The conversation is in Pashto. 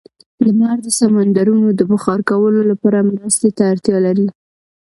لمر د سمندرونو د بخار کولو لپاره مرستې ته اړتیا لري.